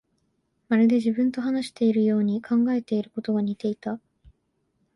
まるで自分と話しているように、考えていることが似ていた